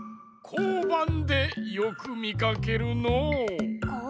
こうばんでよくみかけるのう。